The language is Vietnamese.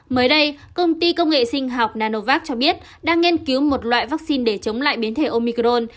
mới đây công ty công nghệ sinh học nanovac cho biết đang nghiên cứu một loại vaccine để chống lại biến thể omicron